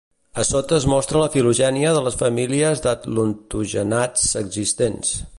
A sota es mostra la filogènia de les famílies d'atlantogenats existents.